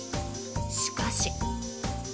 しかし。